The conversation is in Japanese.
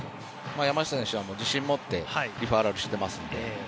山下選手は自信を持ってリファーラルをしていますので。